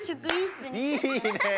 いいね！